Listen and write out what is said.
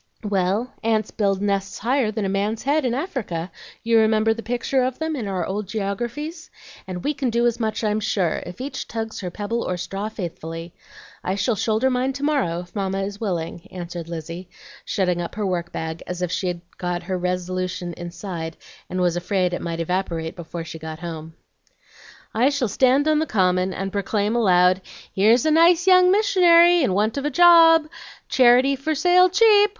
"Well, ants build nests higher than a man's head in Africa; you remember the picture of them in our old geographies? And we can do as much, I'm sure, if each tugs her pebble or straw faithfully. I shall shoulder mine to morrow if Mamma is willing," answered Lizzie, shutting up her work bag as if she had her resolution inside and was afraid it might evaporate before she got home. "I shall stand on the Common, and proclaim aloud, 'Here's a nice young missionary, in want of a job! Charity for sale cheap!